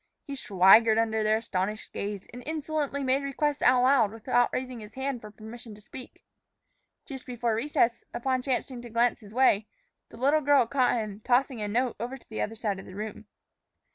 He swaggered under their astonished gaze, and insolently made requests aloud without raising his hand for permission to speak. Just before recess, upon chancing to glance his way, the little girl caught him tossing a note over to the other side of the room.